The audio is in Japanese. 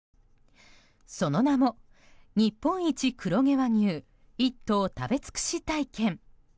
その名も「日本一黒毛和牛１頭食べつくし体験」。